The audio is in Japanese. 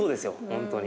本当に。